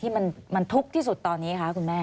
ที่มันทุกข์ที่สุดตอนนี้คะคุณแม่